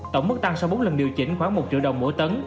tổng mức tăng sau bốn lần điều chỉnh khoảng một triệu đồng mỗi tấn